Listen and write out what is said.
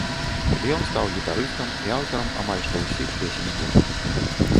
Ён стаў гітарыстам і аўтарам амаль што ўсіх песень гурту.